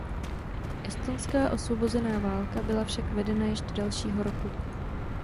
Estonská osvobozenecká válka byla však vedena ještě dalšího roku.